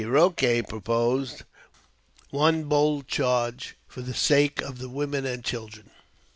Eroquey proposed one bold charge for the sake of the women and children.